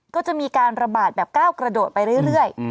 ก็จะมีการระบาดแบบก้าวกระโดดไปเรื่อย